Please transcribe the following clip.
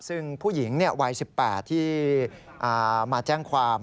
ซึ่งผู้หญิงวัย๑๘ที่มาแจ้งความ